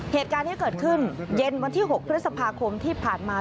เหตุการณ์ที่เกิดขึ้นเย็นวันที่๖พฤษภาคมที่ผ่านมา